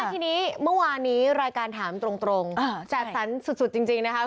ทีนี้เมื่อวานนี้รายการถามตรงจัดสรรสุดจริงนะคะ